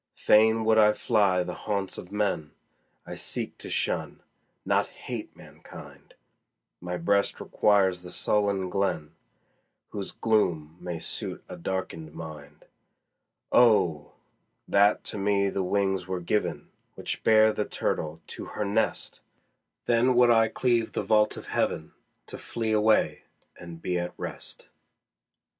Fain would I fly the haunts of men I seek to shun, not hate mankind; My breast requires the sullen glen, Whose gloom may suit a darken'd mind. Oh! that to me the wings were given Which bear the turtle to her nest! Then would I cleave the vault of heaven, To flee away and be at rest.